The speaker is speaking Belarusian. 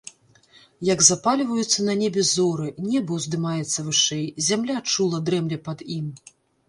Як запальваюцца на небе зоры, неба ўздымаецца вышэй, зямля чула дрэмле пад ім.